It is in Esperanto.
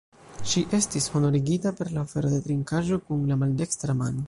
Ŝi estis honorigita per la ofero de trinkaĵo kun la maldekstra mano.